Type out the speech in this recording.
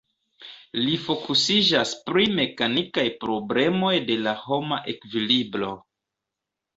Li fokusiĝas pri mekanikaj problemoj de la homa ekvilibro.